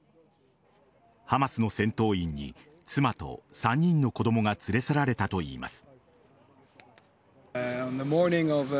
ハマスの戦闘員に妻と３人の子供が連れ去られたといいます。